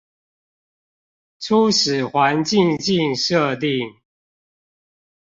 初始環境境設定